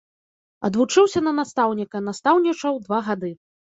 Адвучыўся на настаўніка, настаўнічаў два гады.